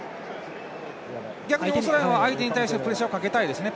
逆にオーストラリアの方は相手に対してプレッシャーかけたいですね。